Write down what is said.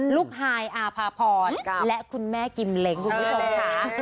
ฮายอาภาพรและคุณแม่กิมเล้งคุณผู้ชมค่ะ